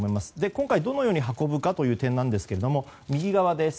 今回、どのように運ぶかですが右側です。